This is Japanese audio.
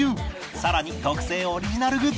さらに特製オリジナルグッズも